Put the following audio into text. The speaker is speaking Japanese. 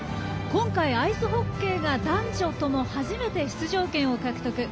今回、アイスホッケーが男女とも初めて出場権を獲得。